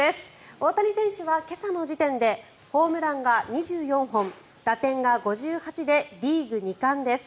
大谷選手は今朝の時点でホームランが２４本打点が５８でリーグ２冠です。